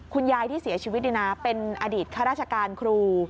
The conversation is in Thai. คุณยายที่เสียชีวิตเป็นอดีตข้าราชการครู